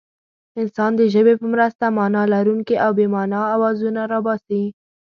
انسان د ژبې په مرسته مانا لرونکي او بې مانا اوازونه را باسي.